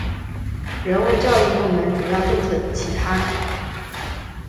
人物教育部门主要政策其他